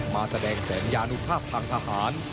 มาแสดงสัญญานุภาพทางทหาร